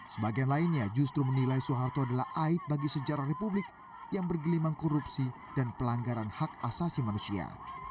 sebagian lainnya justru menilai soeharto adalah aib bagi sejarah republik yang bergelimang korupsi dan pelanggaran hak asasi manusia